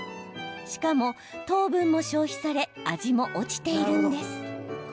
しかも糖分も消費され味も落ちているんです。